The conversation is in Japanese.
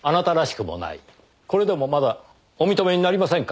これでもまだお認めになりませんか？